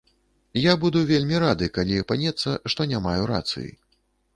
Я буду вельмі рады, калі апынецца, што не маю рацыі.